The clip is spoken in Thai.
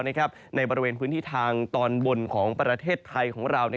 ในบริเวณพื้นที่ทางตอนบนของประเทศไทยของเรา